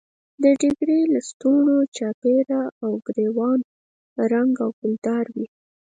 د ډیګرې لستوڼو چاپېره او ګرېوان رنګه او ګلدار وي.